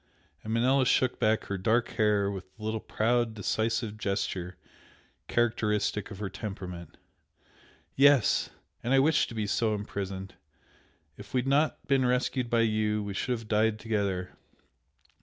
and Manella shook back her dark hair with the little proud, decisive gesture characteristic of her temperament "Yes! and I wish to be so imprisoned! If we had not been rescued by you, we should have died together!